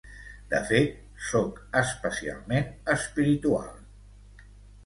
De fet, soc especialment espiritual.